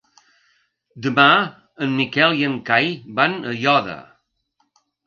Demà en Miquel i en Cai van a Aiòder.